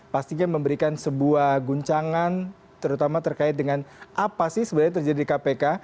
pastinya memberikan sebuah guncangan terutama terkait dengan apa sih sebenarnya terjadi di kpk